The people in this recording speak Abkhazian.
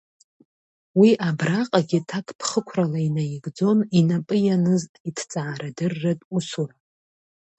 Уи абраҟагьы ҭакԥхықәрала инаигӡон инапы ианыз иҭҵаарадырратә усура.